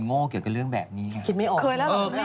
สวัสดีค่าข้าวใส่ไข่